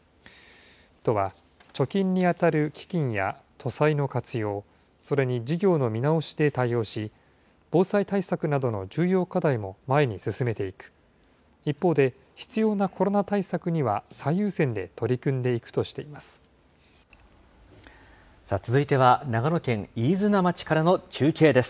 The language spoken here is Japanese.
都は、貯金に当たる基金や都債の活用、それに事業の見直しで対応し、防災対策などの重要課題も前に進めていく、一方で、必要なコロナ対策には最優先で取り組んでいくとしています。